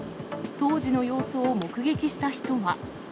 当時の様子を目撃した人は。